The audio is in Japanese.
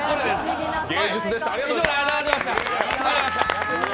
芸術でした、ありがとうございました。